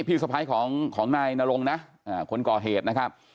พี่สะพ้ายของนายนรงนะคนก่อเหตุนะครับ